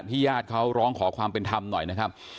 ญาติเขาร้องขอความเป็นธรรมหน่อยนะครับ